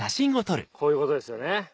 こういうことですよね。